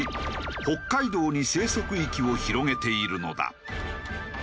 北海道に生息域を広げているのだ。